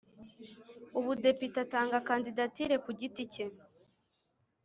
Ubudepite atanga kandidatire ku giti cye